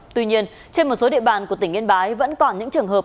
tuy nhiên trên một số địa bàn của tỉnh yên bái vẫn còn những trường hợp